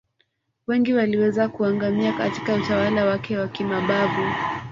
Wengi waliweza kuangamia Katika utawala wake wa kimabavu